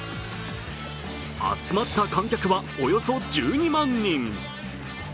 集まった観客は、およそ１２万人。